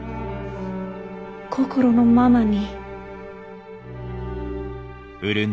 心のままに。